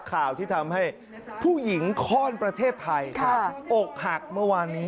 ข่าวที่ทำให้ผู้หญิงข้อนประเทศไทยอกหักเมื่อวานนี้